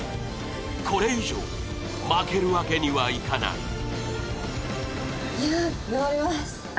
これ以上負けるわけにはいかない２０２２